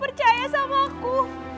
percaya sama aku